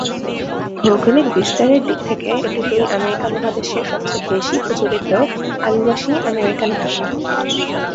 ভৌগোলিক বিস্তারের দিক থেকে এটি দুই আমেরিকা মহাদেশের সবচেয়ে বেশি প্রচলিত আদিবাসী আমেরিকান ভাষা।